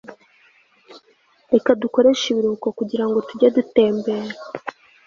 reka dukoreshe ibiruhuko kugirango tujye gutembera